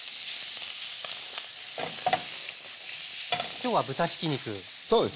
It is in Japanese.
今日は豚ひき肉ですね。